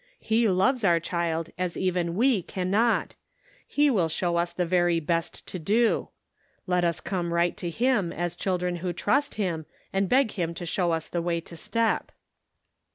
He loves our child as even we can not; he will show us the very best to do. Let us come right 356 The Pocket Measure, to him as children who trust him, and beg him to show us the way to step."